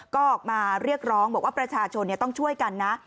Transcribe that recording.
ก็ออกมาเรียกร้องบอกว่าประชาชนต้องช่วยกันนะ